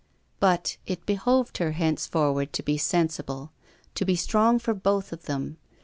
But it behooved her henceforward to be sensible — to be strong for both of them.